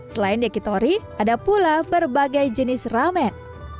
selain dekitori ada pula berbagai jenis ramen